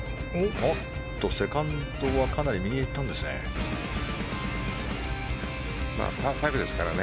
セカンドはかなり右へ行ったんですね。